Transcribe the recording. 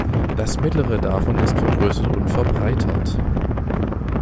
Das mittlere davon ist vergrößert und verbreitert.